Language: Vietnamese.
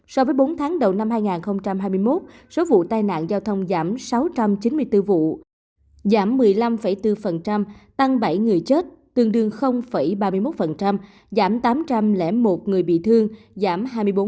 so với bốn tháng đầu năm hai nghìn hai mươi một số vụ tai nạn giao thông giảm sáu trăm chín mươi bốn vụ giảm một mươi năm bốn tăng bảy người chết tương đương ba mươi một giảm tám trăm linh một người bị thương giảm hai mươi bốn